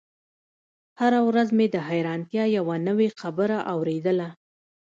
هره ورځ مې د حيرانتيا يوه نوې خبره اورېدله.